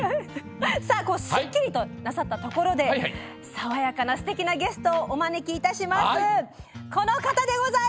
すっきりとなさったところで爽やかなすてきなゲストをお招きいたします。